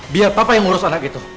biar papa yang ngurus anak gitu